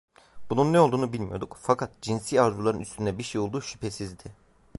Bunun ne olduğunu bilmiyorduk, fakat cinsi arzuların üstünde bir şey olduğu şüphesizdi.